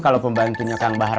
kalau pembantunya kang bahar